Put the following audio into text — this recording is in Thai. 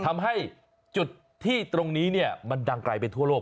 ทำให้จุดที่ตรงนี้มันดังไกลไปทั่วโลก